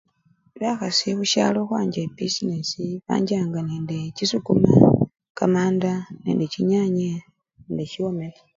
Bakhasi khusyalo khukhwanja ebisinesi banjjanga nende chisukuma, kamanda nende chinyanye nende chiwamena.